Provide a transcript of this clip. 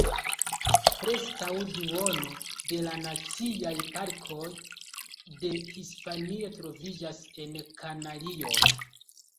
Preskaŭ duono de la Naciaj Parkoj de Hispanio troviĝas en Kanarioj.